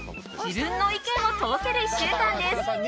自分の意見を通せる１週間です。